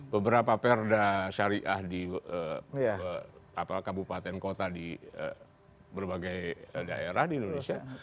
beberapa perda syariah di kabupaten kota di berbagai daerah di indonesia